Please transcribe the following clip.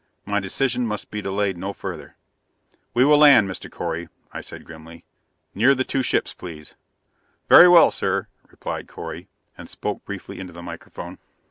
My decision must be delayed no further. "We will land, Mr. Correy," I said grimly. "Near the two ships, please." "Very well, sir," nodded Correy, and spoke briefly into the microphone.